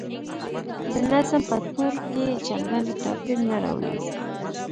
د نظم په تول کې چنداني توپیر نه راولي.